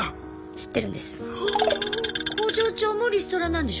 知ってるんです。